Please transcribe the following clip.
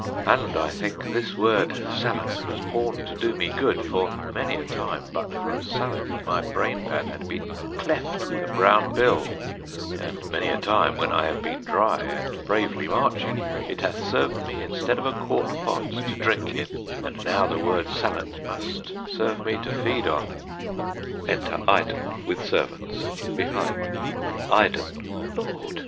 And, I think, this word sallet was born to do me good: for, many a time, but for a sallet, my brain pan had been cleft with a brown bill; and, many a time, when I have been dry, and bravely marching, it hath served me instead of a quart pot to drink in; and now the word sallet must serve me to feed on. Enter IDEN, with Servants, behind. Iden. Lord!